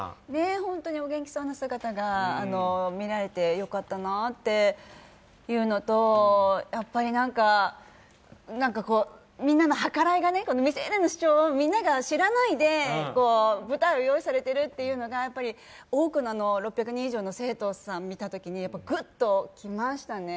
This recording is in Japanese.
本当にお元気そうな姿が見られてよかったなというのとなんか、みんなのはからいが、「未成年の主張」をみんなが知らないで、舞台を用意されてるっていうのが多くの６００人以上の生徒さん見たときにグッときましたね。